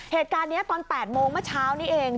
เหตุการณ์นี้ตอน๘โมงเมื่อเช้านี้เอง